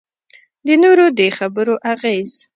د نورو د خبرو اغېز.